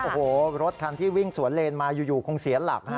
โอ้โหรถคันที่วิ่งสวนเลนมาอยู่คงเสียหลักฮะ